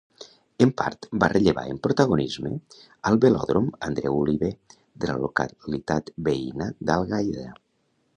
En part va rellevar en protagonisme al Velòdrom Andreu Oliver de la localitat veïna d'Algaida.